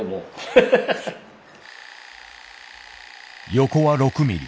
横は６ミリ。